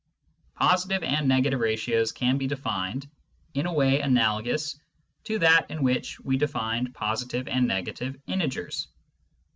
Positive and negative ratios can be defined in a way analogous to that in which we defined positive and negative integers.